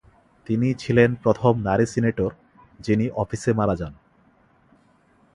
তিনি ছিলেন প্রথম নারী সিনেটর যিনি অফিসে মারা যান।